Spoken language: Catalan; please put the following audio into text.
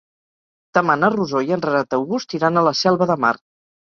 Demà na Rosó i en Renat August iran a la Selva de Mar.